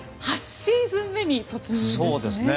８シーズン目に突入ですね。